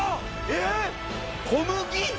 えっ小麦？